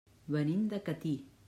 Venim de Catí.